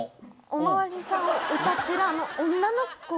「おまわりさん」を歌ってるあの女の子。